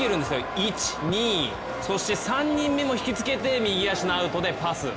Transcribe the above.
１、２、そして３人目も引きつけて右足のアウトでパス。